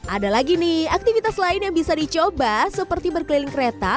ada lagi nih aktivitas lain yang bisa dicoba seperti berkeliling kereta